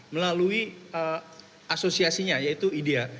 melalui asosiasinya yaitu idia